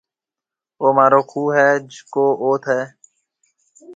او مهارو کُوه هيَ جڪو اوٿ هيَ۔